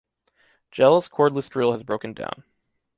Jelle’s cordless drill has broken down.